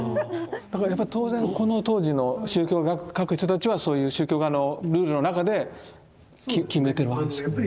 だから当然この当時の宗教画描く人たちはそういう宗教画のルールの中で決めてるわけですよね。